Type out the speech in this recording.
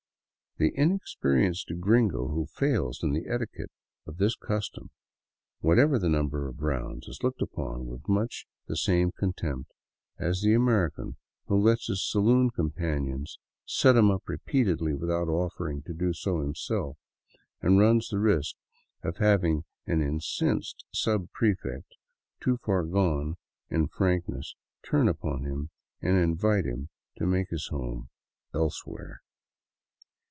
The inexperienced gringo who fails in the etiquette of this custom, whatever the number of rounds, is looked upon with nmch the same contempt as the American who lets his saloon companions " set 'em up " repeatedly without offering to do so himself ; and runs the risk of having an incensed subprefect, too far gone in frankness, turn upon him and invite him to make his home elsewhere.